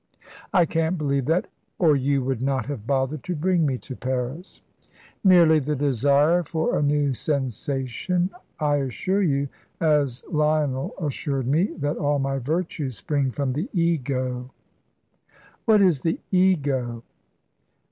"I can't believe that, or you would not have bothered to bring me to Paris." "Merely the desire for a new sensation. I assure you, as Lionel assured me, that all my virtues spring from the Ego." "What is the Ego?"